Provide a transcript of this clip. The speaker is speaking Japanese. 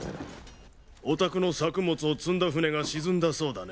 お宅の作物を積んだ船が沈んだそうだね。